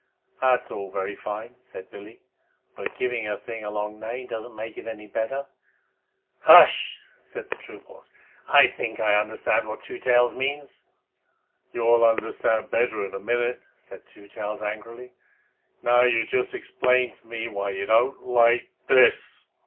"That's all very fine," said Billy. "But giving a thing a long name doesn't make it any better." "H'sh!" said the troop horse. "I think I understand what Two Tails means." "You'll understand better in a minute," said Two Tails angrily. "Now you just explain to me why you don't like this!"